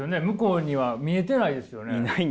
向こうには見えてないですよね？